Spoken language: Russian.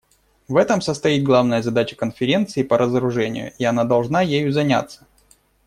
В этом состоит главная задача Конференции по разоружению, и она должна ею заняться.